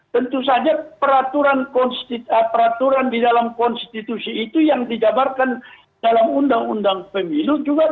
tentu saja peraturan di dalam konstitusi itu yang dijabarkan dalam undang undang pemilu juga